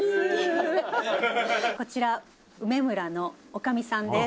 「こちら梅むらの女将さんです」